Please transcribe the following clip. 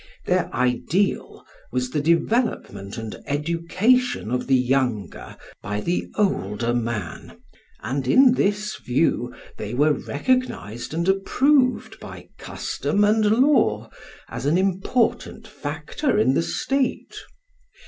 Their ideal was the development and education of the younger by the older man, and in this view they were recognised and approved by custom and law as an important factor in the state.